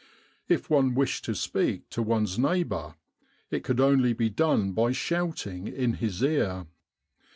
If one wished to speak to one's neighbour, it could only be done by shouting in his ear.